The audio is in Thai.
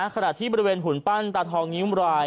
ขณะที่บริเวณหุ่นปั้นตาทองนิ้วราย